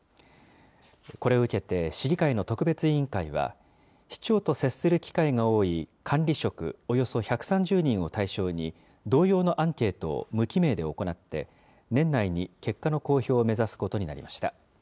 これを受けて市議会の特別委員会は、市長と接する機会が多い管理職およそ１３０人を対象に、同様のアンケートを無記名で行って、年内に結果の公表を目指すことになりました。